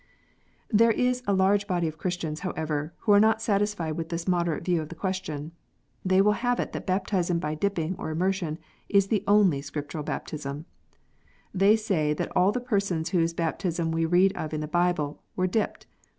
There is a large body of Christians, however, who are not satisfied with this moderate view of the question. They will have it that baptism by dipping or immersion is the only Scrip tural baptism. They say that all the persons whose baptism we read of in the Bible were "dipped."